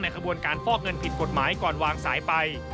ขบวนการฟอกเงินผิดกฎหมายก่อนวางสายไป